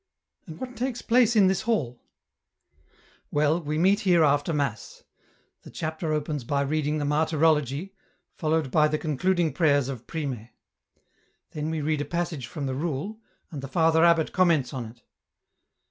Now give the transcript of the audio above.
'* And what takes place in this hall ?"" Well, we meet here after mass ; the chapter opens by reading the martyrology, followed by the concluding prayers of Prime. Then we read a passage from the rule, and the Father abbot comments on it.